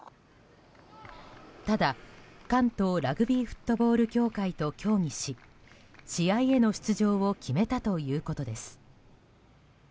ただ、関東ラグビーフットボール協会と協議し試合への出場を決めたということです。